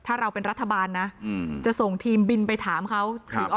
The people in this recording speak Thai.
ถ้าเราเป็นรัฐบาลนะจะส่งทีมบินไปถามเขาถึง